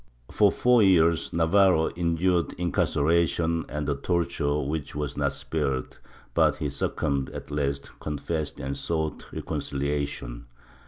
For four years Navarro endured incarceration and the torture which was not spared, but he succumbed at last, confessed and sought reconciliation.